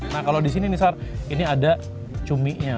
nah kalau disini nih sar ini ada cuminya